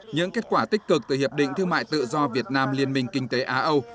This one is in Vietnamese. những kết quả tích cực từ hiệp định thương mại tự do việt nam liên minh kinh tế aâu